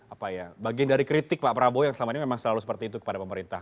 apa ya bagian dari kritik pak prabowo yang selama ini memang selalu seperti itu kepada pemerintah